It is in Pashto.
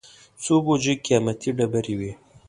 څو بوجۍ قېمتي ډبرې وې.